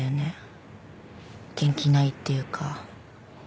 元気ないっていうか。